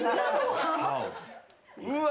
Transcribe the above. うわ。